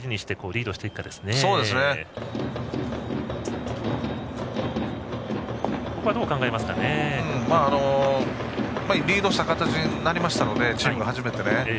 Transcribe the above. リードした形になりましたのでチームが初めてね。